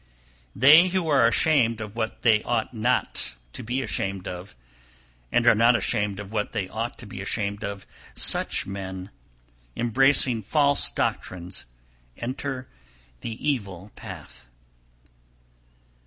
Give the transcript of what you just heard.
316. They who are ashamed of what they ought not to be ashamed of, and are not ashamed of what they ought to be ashamed of, such men, embracing false doctrines enter the evil path.